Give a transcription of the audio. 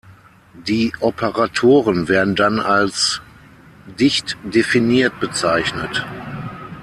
Die Operatoren werden dann als "dicht definiert" bezeichnet.